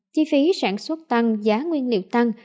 chi phí sản xuất tăng giá nguyên liệu tăng